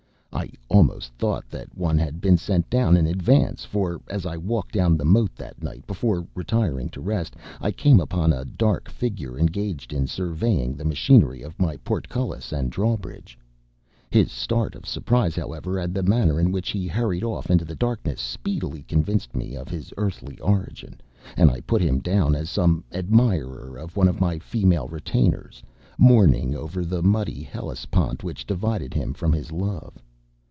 I almost thought that one had been sent down in advance, for, as I walked down the moat that night before retiring to rest, I came upon a dark figure engaged in surveying the machinery of my portcullis and drawbridge. His start of surprise, however, and the manner in which he hurried off into the darkness, speedily convinced me of his earthly origin, and I put him down as some admirer of one of my female retainers mourning over the muddy Hellespont which divided him from his love.